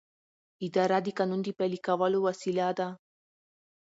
اداره د قانون د پلي کولو وسیله ده.